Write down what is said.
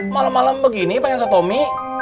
malem malem begini pengen sotomi